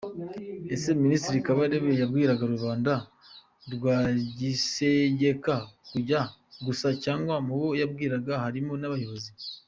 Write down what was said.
Ese Ministre Kabarebe yabwiraga rubanda rwa gisegeka gusa cyangwa mubo yabwiraga harimo n’abayobozi?